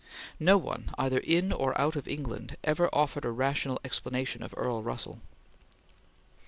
No one, either in or out of England, ever offered a rational explanation of Earl Russell.